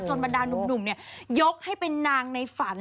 จนบันดาลหนุ่มเนี่ยยกให้เป็นนางในฝัน